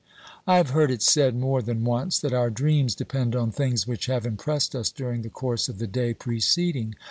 I have heard it said more than once that our dreams depend on things which have impressed us during the course of the day preceding.